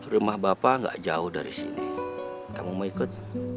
rumah bapak gak jauh dari sini kamu mau ikut